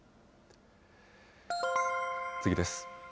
次です。